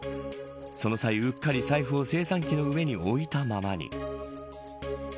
その際うっかり財布を精算機の上に置いたままに。